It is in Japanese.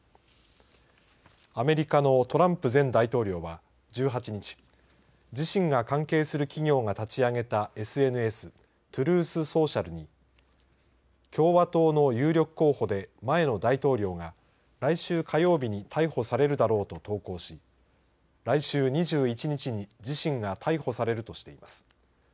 アメリカのトランプ前大統領は１８日自身が関係する企業が立ち上げたＳＮＳトゥルース・ソーシャルに共和党の有力候補で前の大統領が来週火曜日に逮捕されるだろうと投稿し来週２１日に自身が逮捕されるとしています。